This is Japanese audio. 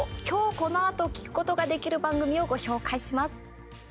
このあと聞くことができる番組をご紹介します。